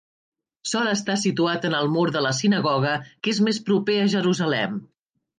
Sol estar situat en el mur de la sinagoga que és més proper a Jerusalem.